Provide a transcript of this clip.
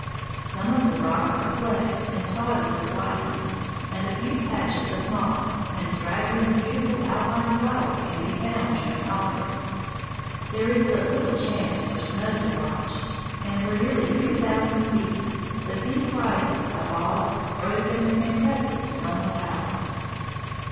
Some of the rocks are flecked and spotted with lichens, and a few patches of moss and straggling, beautiful alpine flowers can be found during August. There is but little chance for snow to lodge, and for nearly three thousand feet the peak rises a bald, broken, impressive stone tower.